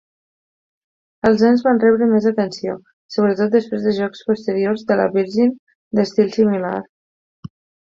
Els nens van rebre més atenció, sobretot després de jocs posteriors de la Virgin d'estil similar.